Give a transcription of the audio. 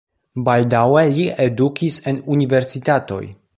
Baldaŭe li edukis en universitatoj.